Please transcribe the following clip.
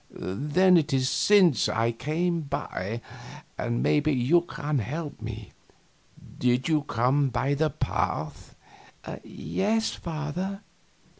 "Then it is since I came by, and maybe you can help me. Did you come up by the path?" "Yes, Father."